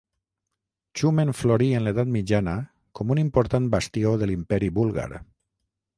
Xumen florí en l'edat mitjana com un important bastió de l'Imperi búlgar.